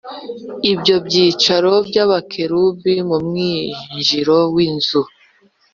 ibyo bishushanyo by’abakerubi mu mwinjiro w’inzu